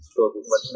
thì tôi cũng vẫn